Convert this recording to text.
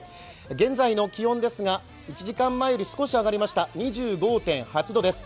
現在の気温ですが、１時間前より少し上がりました、２５．８度です。